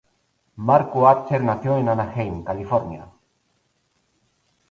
Marco Archer nació en Anaheim, California.